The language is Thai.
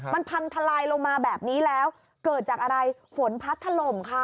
มันพังทลายลงมาแบบนี้แล้วเกิดจากอะไรฝนพัดถล่มค่ะ